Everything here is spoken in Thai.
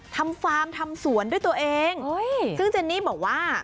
ฟาร์มทำสวนด้วยตัวเองซึ่งเจนนี่บอกว่า